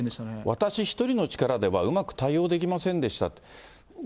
私一人の力では、うまく対応できませんでしたって。